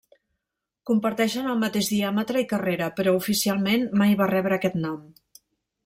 Comparteixen el mateix diàmetre i carrera, però oficialment mai va rebre aquest nom.